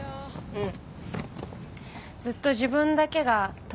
うん。